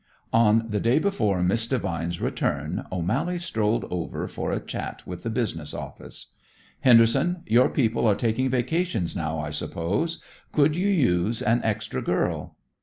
On the day before Miss Devine's return O'Mally strolled over for a chat with the business office. "Henderson, your people are taking vacations now, I suppose? Could you use an extra girl?"